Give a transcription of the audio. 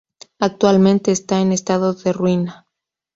Actualmente esta en estado de ruina.